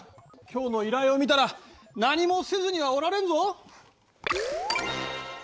今日の依頼を見たら何もせずにはおられんぞ。